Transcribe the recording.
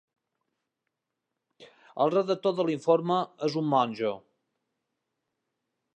El redactor de l'informe és un monjo.